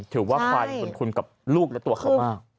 ควายส่วนคุณกับลูกและตัวเขามาก